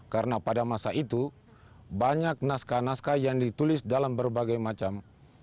karena pada masa itu banyak naskah naskah yang ditulis dalam berbagai macam